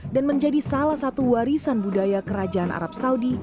dan menjadi salah satu warisan budaya kerajaan arab saudi